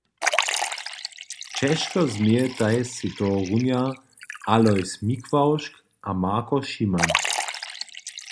Ćežko změjetaj sej tohorunja Alojs Mikławšk a Marko Šiman.